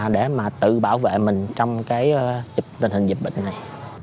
để mà tự bảo vệ mình trong cái tình hình dịch bệnh này